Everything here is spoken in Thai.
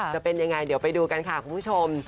จะเป็นยังไงเดี๋ยวไปดูกันค่ะคุณผู้ชม